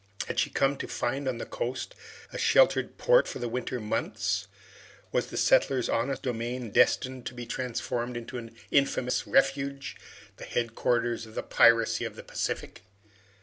Had she come to find on the coast a sheltered port for the winter months? Was the settlers' honest domain destined to be transformed into an infamous refuge the headquarters of the piracy of the Pacific?